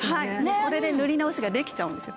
これで塗り直しができちゃうんですよ。